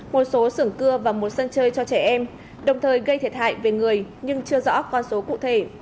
một số sưởng cưa và một sân chơi cho trẻ em đồng thời gây thiệt hại về người nhưng chưa rõ con số cụ thể